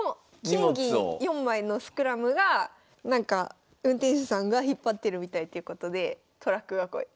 金銀４枚のスクラムがなんか運転手さんが引っ張ってるみたいっていうことでトラック囲い。